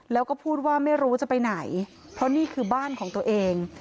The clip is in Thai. แล้วก็พูดว่าไม่รู้จะไปไหนเพราะนี่คือบ้านของตัวเอง